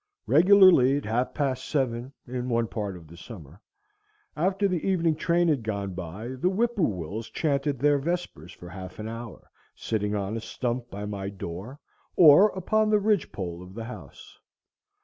Regularly at half past seven, in one part of the summer, after the evening train had gone by, the whippoorwills chanted their vespers for half an hour, sitting on a stump by my door, or upon the ridge pole of the house.